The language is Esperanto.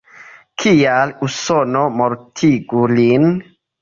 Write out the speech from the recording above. Kial Usono mortigu lin?